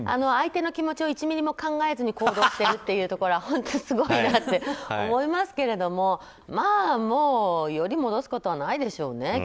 相手の気持ちを１ミリも考えずに行動しているというところは本当にすごいなと思いますけどもう、よりを戻すことはないでしょうね。